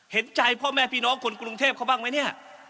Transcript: เห็นใจพ่อแม่พี่น้องคนกรุงเทพเขาบ้างไหมเนี่ย